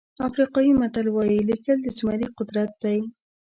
افریقایي متل وایي لیکل د زمري قدرت دی.